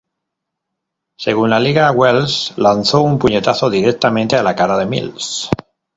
Según la liga, Wells lanzó un puñetazo directamente a la cara de Mills.